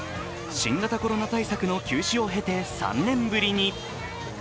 新型コロナ対策の休止を経て３年ぶりに。